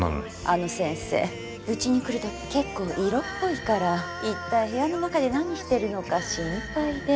「あの先生うちに来るとき結構色っぽいから一体部屋の中で何してるのか心配で」